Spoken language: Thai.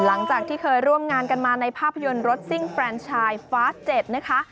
หลังจากที่เคยร่วมงานกันมาในภาพยนตร์รถซิ่งแรนชายฟ้า๗นะคะ